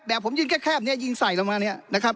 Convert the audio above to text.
ผมยืนแคบเนี่ยยิงใส่ลงมาเนี่ยนะครับ